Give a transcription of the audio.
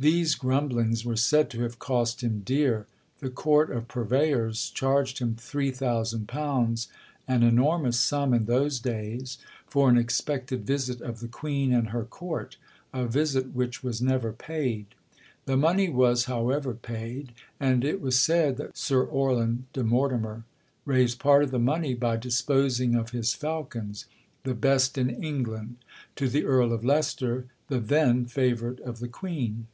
These grumblings were said to have cost him dear—the court of purveyors charged him £3000, an enormous sum in those days, for an expected visit of the Queen and her court—a visit which was never paid. The money was, however, paid; and it was said that Sir Orlan de Mortimer raised part of the money by disposing of his falcons, the best in England, to the Earl of Leicester, the then favourite of the Queen.'